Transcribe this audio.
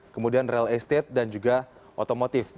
kemudian real estate dan juga otomotif